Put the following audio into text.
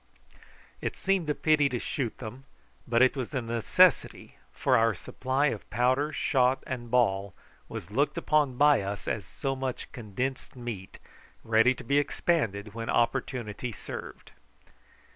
It seemed a pity to shoot them, but it was a necessity, for our supply of powder, shot, and ball was looked upon by us as so much condensed meat, ready to be expanded when opportunity served.